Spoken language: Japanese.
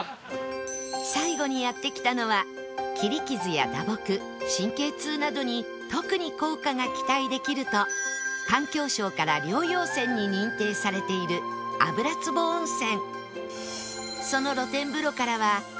最後にやって来たのは切り傷や打撲神経痛などに特に効果が期待できると環境省から療養泉に認定されている油壺温泉